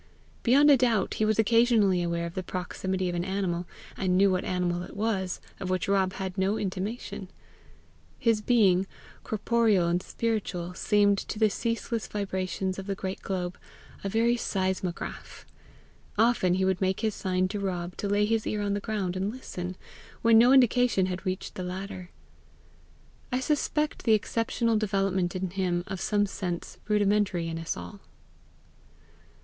Beyond a doubt he was occasionally aware of the proximity of an animal, and knew what animal it was, of which Rob had no intimation. His being, corporeal and spiritual, seemed, to the ceaseless vibrations of the great globe, a very seismograph. Often would he make his sign to Rob to lay his ear on the ground and listen, when no indication had reached the latter. I suspect the exceptional development in him of some sense rudimentary in us all.